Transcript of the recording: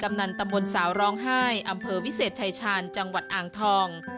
นันตำบลสาวร้องไห้อำเภอวิเศษชายชาญจังหวัดอ่างทอง